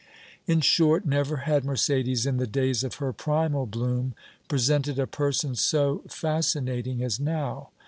In short, never had Mercédès, in the days of her primal bloom, presented a person so fascinating as now.